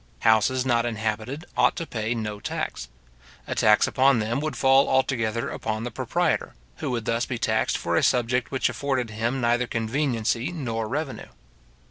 Houses not inhabited ought to pay no tax. A tax upon them would fall altogether upon the proprietor, who would thus be taxed for a subject which afforded him neither conveniency nor revenue.